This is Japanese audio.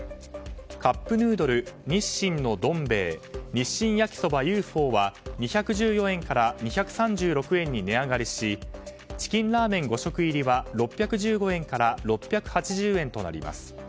カップヌードル、日清のどん兵衛日清焼そばＵ．Ｆ．Ｏは２１４円から２３６円に値上がりしチキンラーメン５食入りは６１５円から６８０円となります。